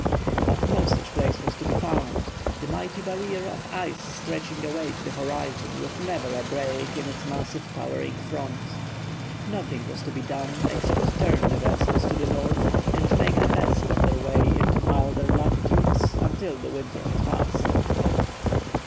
But no such place was to be found, the mighty barrier of ice stretching away to the horizon with never a break in its massive towering front. Nothing was to be done except turn the vessels to the North and make the best of their way into milder latitudes until the winter had passed.